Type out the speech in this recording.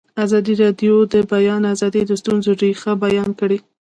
ازادي راډیو د د بیان آزادي د ستونزو رېښه بیان کړې.